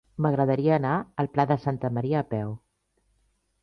M'agradaria anar al Pla de Santa Maria a peu.